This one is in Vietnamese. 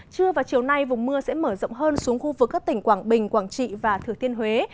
trưa và chiều nay vùng mưa sẽ mở rộng hơn xuống khu vực các tỉnh quảng bình quảng trị và thừa thiên huế